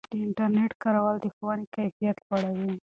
د انټرنیټ کارول د ښوونې کیفیت لوړوي.